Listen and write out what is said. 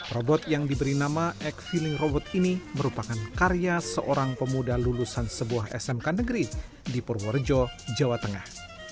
robot yang diberi nama eg feeling robot ini merupakan karya seorang pemuda lulusan sebuah smk negeri di purworejo jawa tengah